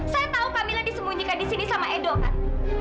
saya tau camilla disembunyikan disini sama edon kan